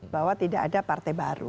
bahwa tidak ada partai baru